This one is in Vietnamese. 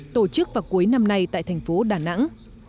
tổ chức vào cuối năm nay tại thành phố đà nẵng